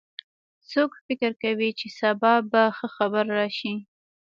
څوک فکر کوي چې سبا به ښه خبر راشي